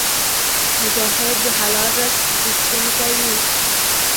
مجاهد د حلال رزق غوښتونکی وي.